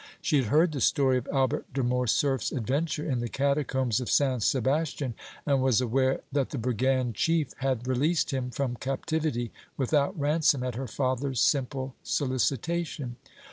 She had heard the story of Albert de Morcerf's adventure in the catacombs of Saint Sebastian, and was aware that the brigand chief had released him from captivity without ransom at her father's simple solicitation.